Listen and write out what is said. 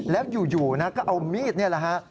แล้วอยู่นะก็เอามีดนี่แหละฮะ